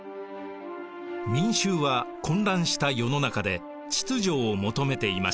民衆は混乱した世の中で秩序を求めていました。